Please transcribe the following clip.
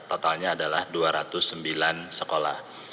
totalnya adalah dua ratus sembilan sekolah